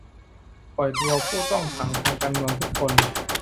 ปล่อยตัวผู้ต้องขังทางการเมืองทุกคน